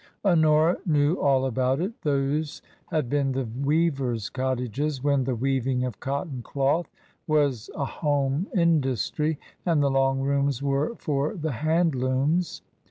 Honora knew all about it Those had been the weavers* cottages when the weaving of cotton cloth was a home industry, and the long rooms were for the hand looms.